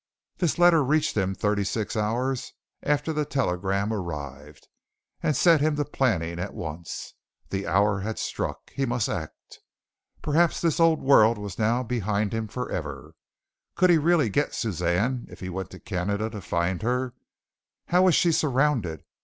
This letter reached him thirty six hours after the telegram arrived, and set him to planning at once. The hour had struck. He must act. Perhaps this old world was now behind him forever. Could he really get Suzanne, if he went to Canada to find her? How was she surrounded?